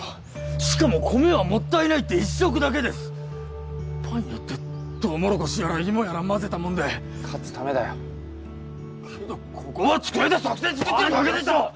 しかも米はもったいないって一食だけですパンやってとうもろこしやら芋やら混ぜたもんで勝つためだよけどここは机で作戦作ってるだけでしょう！